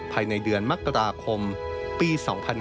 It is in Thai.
ภายในเดือนมกราคมปี๒๕๕๙